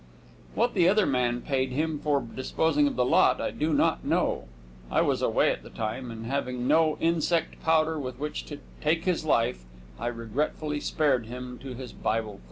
What the other man paid him for disposing of the lots I do not know. I was away at the time, and having no insect powder with which to take his life I regretfully spared him to his Bible class.